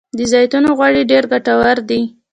د زیتون غوړي ډیر ګټور دي.